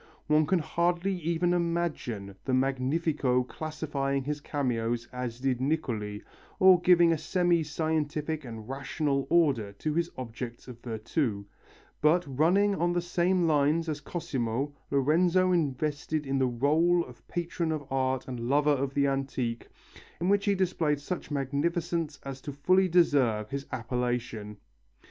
One can hardly even imagine the Magnifico classifying his cameos as did Niccoli, or giving a semi scientific and rational order to his objects of virtu, but, running on the same lines as Cosimo, Lorenzo invested in the rôle of patron of art and lover of the antique, in which he displayed such magnificence as to fully deserve his appellation.